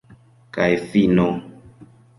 Kaj fino!